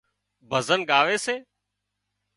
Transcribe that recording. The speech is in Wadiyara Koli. ڀزن ڳاوي سي